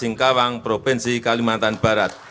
singkawang provinsi kalimantan barat